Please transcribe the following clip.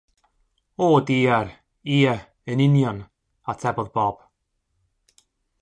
‘O diar, ie, yn union,' atebodd Bob.